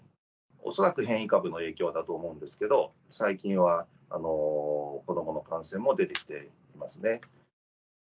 恐らく変異株の影響だと思うんですけど、最近は子どもの感染も出てきていますね。